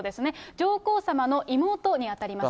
上皇さまの妹に当たります。